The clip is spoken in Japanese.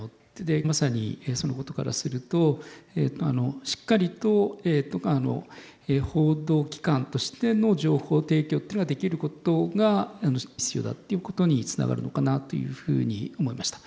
まさにそのことからするとしっかりと報道機関としての情報提供っていうのができることが必要だっていうことにつながるのかなというふうに思いました。